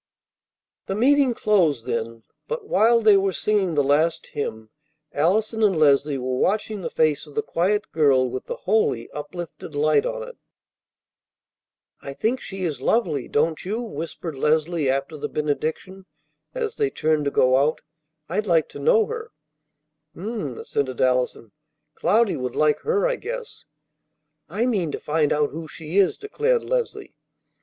The meeting closed then; but, while they were singing the last hymn Allison and Leslie were watching the face of the quiet girl with the holy, uplifted light on it. "I think she is lovely, don't you?" whispered Leslie after the benediction, as they turned to go out. "I'd like to know her." "H'm!" assented Allison. "Cloudy would like her, I guess." "I mean to find out who she is," declared Leslie.